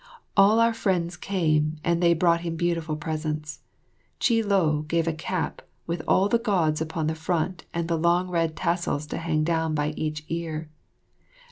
All our friends came, and they brought him beautiful presents. Chih lo gave a cap with all the Gods upon the front and long red tassels to hang down by each ear.